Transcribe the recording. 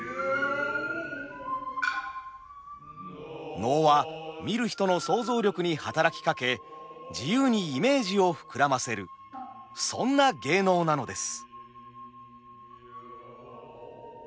能は見る人の想像力に働きかけ自由にイメージを膨らませるそんな芸能なのです。